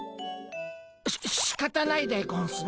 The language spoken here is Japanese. ししかたないでゴンスな。